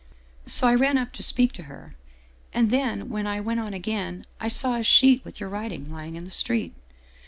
So I ran up to speak to her. And then when I went on again, I saw a sheet with your writing lying in the street.